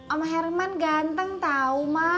om herman ganteng tau ma